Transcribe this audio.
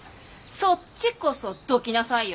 そっちこそどきなさいよ！